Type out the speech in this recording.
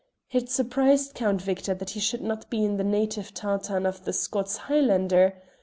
It surprised Count Victor that he should not be in the native tartan of the Scots Highlander.